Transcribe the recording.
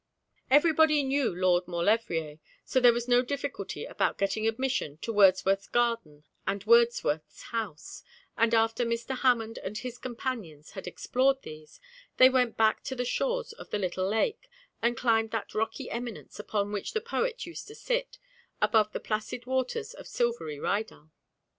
Everybody knew Lord Maulevrier, so there was no difficulty about getting admission to Wordsworth's garden and Wordsworth's house, and after Mr. Hammond and his companions had explored these, they went back to the shores of the little lake, and climbed that rocky eminence upon which the poet used to sit, above the placid waters of silvery Rydal.